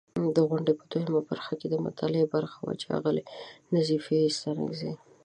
د غونډې په دوهمه برخه، د مطالعې برخه وه چې اغلې نظیفې ستانکزۍ